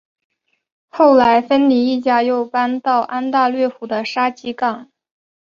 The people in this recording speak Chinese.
后来芬尼一家又搬到安大略湖的沙吉港。